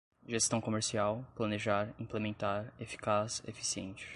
gestão comercial, planejar, implementar, eficaz, eficiente